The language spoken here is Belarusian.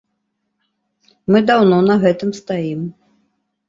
Мы даўно на гэтым стаім.